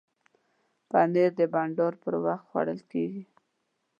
پنېر د بانډار پر وخت خوړل کېږي.